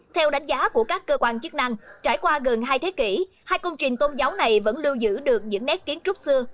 theo đánh giá của các cơ quan chức năng trải qua gần hai thế kỷ hai công trình tôn giáo này vẫn lưu giữ được những nét kiến trúc xưa